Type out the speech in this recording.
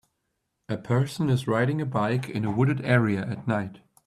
A person is riding a bike in a wooded area at night.